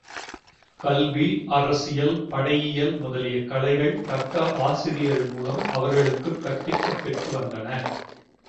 கல்வி, அரசியல், படையியல் முதலிய கலைகள் தக்க ஆசிரியர்கள் மூலம் அவர்களுக்குக் கற்பிக்கப் பெற்று வந்தன.